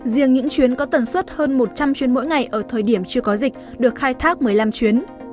riêng những chuyến có tần suất hơn một trăm linh chuyến mỗi ngày ở thời điểm chưa có dịch được khai thác một mươi năm chuyến